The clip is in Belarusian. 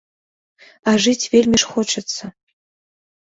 А жыць вельмі ж хочацца.